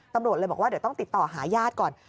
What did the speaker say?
ตำรวจเลยบอกว่าเดี๋ยวต้องติดต่อหาญาติก่อน